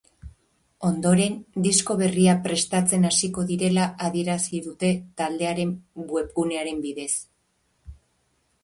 Ondoren, disko berria prestatzen hasiko direla adierazi dute taldearen webgunearen bidez.